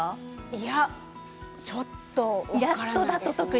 いや、ちょっと分からないですね。